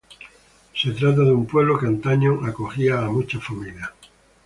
Se trata de un pueblo que antaño acogía a muchas familias.